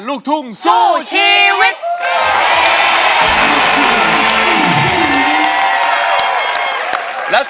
ร้องได้ให้ล้าน